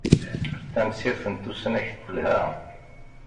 Tamsirt n tusnakt telha.